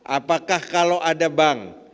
apakah kalau ada bank